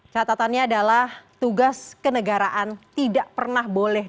catatannya adalah tugas kenegaraan tidak pernah boleh